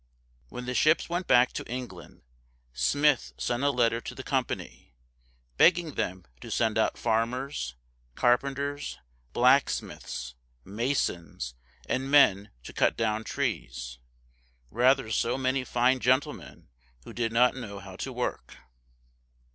When the ships went back to England, Smith sent a letter to the company, begging them to send out farmers, carpenters, blacksmiths, masons, and men to cut down trees, rather than so many fine gentlemen who did not know how to work.